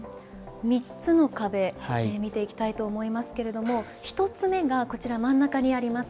３つの壁、見ていきたいと思いますけれども１つ目が真ん中にあります